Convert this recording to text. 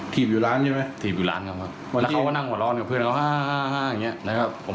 ถีบอยู่ร้านใช่ไหม